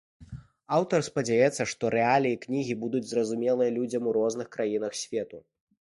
Аўтар спадзяецца, што рэаліі кнігі будуць зразумелыя людзям у розных краінах свету.